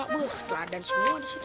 buah teladan semua disitu